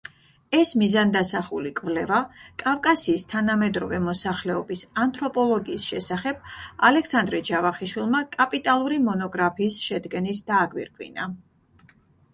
ეს მიზანდასახული კვლევა კავკასიის თანამედროვე მოსახლეობის ანთროპოლოგიის შესახებ ალექსანდრე ჯავახიშვილმა კაპიტალური მონოგრაფიის შედგენით დააგვირგვინა.